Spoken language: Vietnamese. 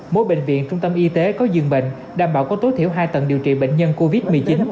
mỗi bệnh viện trung tâm y tế có dương bệnh đảm bảo có tối thiểu hai tầng điều trị bệnh nhân covid một mươi chín